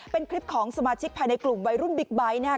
เป็นคลิปของสมาชิกภายในกลุ่มวัยรุ่นบิ๊กไบท์นะครับ